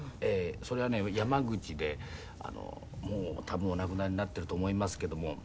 それはね山口でもう多分お亡くなりになっていると思いますけども。